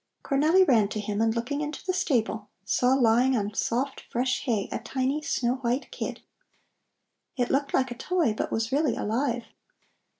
Cornelli ran to him, and looking into the stable, saw lying on soft fresh hay a tiny, snow white kid. It looked like a toy, but was really alive.